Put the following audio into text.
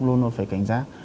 luôn luôn phải cảnh giác